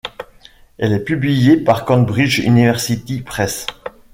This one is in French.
Elle est publiée par Cambridge University Press.